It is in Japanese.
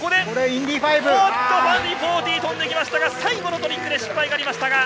５４０飛んできましたが、最後のトリックで失敗がありました。